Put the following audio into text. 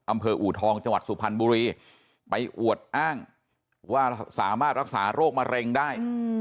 อูทองจังหวัดสุพรรณบุรีไปอวดอ้างว่าสามารถรักษาโรคมะเร็งได้